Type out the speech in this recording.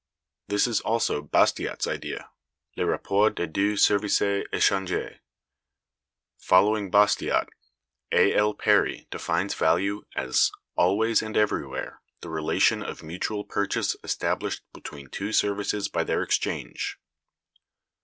This is also Bastiat's idea,(193) "le rapport de deux services échangés." Following Bastiat, A. L. Perry(194) defines value as "always and everywhere the relation of mutual purchase established between two services by their exchange."